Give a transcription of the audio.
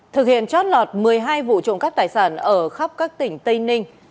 thực hiện trót lọt một mươi hai vụ trộm cắp tài sản ở khắp các tỉnh tây ninh